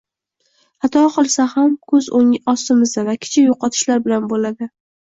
xato qilsa ham ko‘z ostimizda va kichik yo‘qotishlar bilan bo‘ladi;